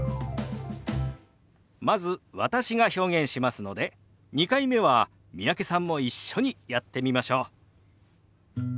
まず私が表現しますので２回目は三宅さんも一緒にやってみましょう。